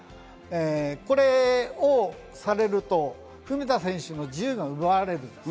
これをされると文田選手の自由が奪われます。